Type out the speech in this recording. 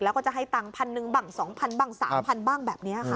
แล้วก็จะให้ตังค์๑๐๐๐บัง๒๐๐๐บัง๓๐๐๐บังแบบเนี่ยค่ะ